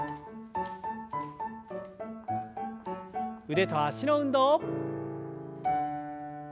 腕と脚の運動。